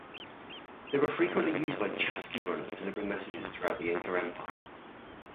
They were frequently used by "chasqui" runners delivering messages throughout the Inca Empire.